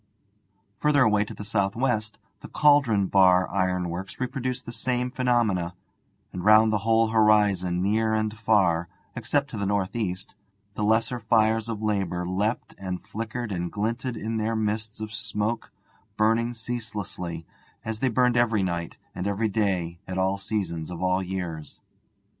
Further away to the south west the Cauldon Bar Ironworks reproduced the same phenomena, and round the whole horizon, near and far, except to the north east, the lesser fires of labour leapt and flickered and glinted in their mists of smoke, burning ceaselessly, as they burned every night and every day at all seasons of all years.